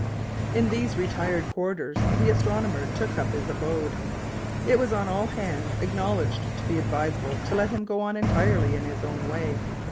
In these retired quarters the astronomer took up his abode. It was on all hands acknowledged to be advisable to let him go on entirely in his own way.